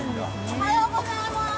おはようございます。